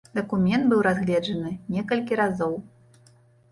Дакумент быў разгледжаны некалькі разоў.